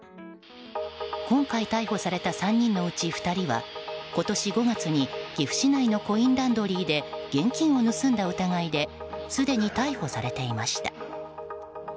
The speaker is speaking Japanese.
今回逮捕された３人のうち２人は今年５月に岐阜市内のコインランドリーで現金を盗んだ疑いですでに逮捕されていました。